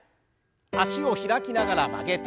脚を開きながら曲げて。